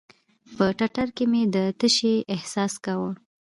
په ټټر کښې مې د تشې احساس کاوه.